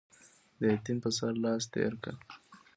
د يتيم پر سر لاس تېر کړه.